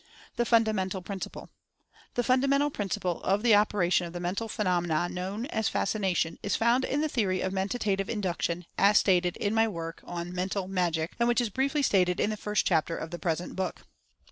THE FUNDAMENTAL PRINCIPLE. The fundamental principle of the operation of the Mental Phenomena known as Fascination is found in the theory of Mentative Induction, as stated in my work on "Mental Magic," and which is briefly stated in the first chapter of the present book.